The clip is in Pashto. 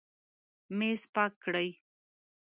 میز پاک کړئ